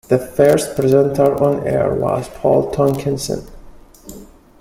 The first presenter on air was Paul Tonkinson.